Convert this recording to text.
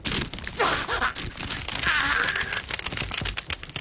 あっ！